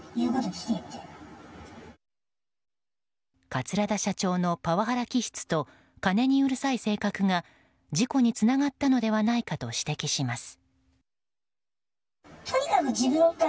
桂田社長のパワハラ気質と金にうるさい性格が事故につながったのではないかと指摘します。